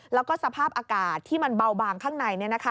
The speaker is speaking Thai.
แล้วก็สภาพอากาศที่มันเบาบางข้างใน